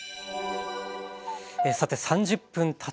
さて３０分たちました。